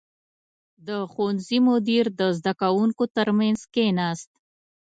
• د ښوونځي مدیر د زده کوونکو تر منځ کښېناست.